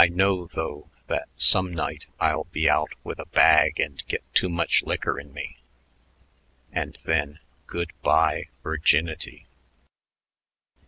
I know, though, that some night I'll be out with a bag and get too much liquor in me and then good by, virginity."